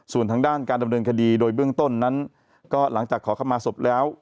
ส่วนทางด้านการดำเนินคดีโดยเบื้องต้นนั้นก็หลังจากขอเข้ามาศพแล้ว